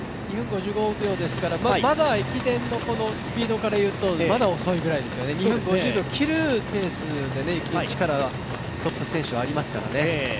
２分５５秒ですから、駅伝のスピードからするとまだ遅いぐらいですよね、２分５０秒切るペースでいく力がトップ選手はありますからね。